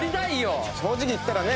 正直言ったらね。